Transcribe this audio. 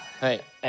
え